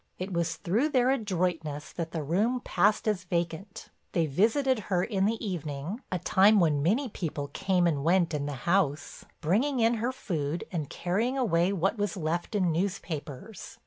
It was through their adroitness that the room passed as vacant. They visited her in the evening, a time when many people came and went in the house, bringing in her food and carrying away what was left in newspapers.